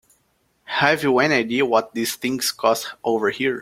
Have you any idea what these things cost over here?